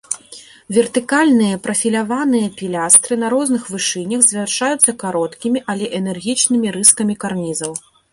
Вертыкальныя прафіляваныя пілястры на розных вышынях завяршаюцца кароткімі, але энергічнымі рыскамі карнізаў.